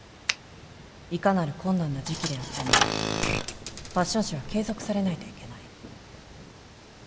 いかなる困難な時期であってもファッション誌は継続されないといけない